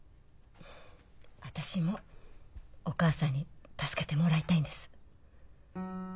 私もお義母さんに助けてもらいたいんです。